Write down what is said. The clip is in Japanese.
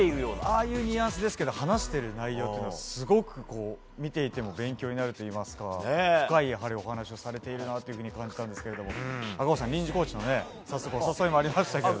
ああいうニュアンスですけど話している内容ってすごく見ていても勉強になるといいますか深いお話をされていると感じましたが赤星さん、臨時コーチの早速、お誘いもありましたけど。